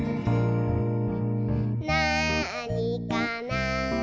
「なあにかな？」